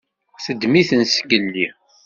Teddem-iten zgelli.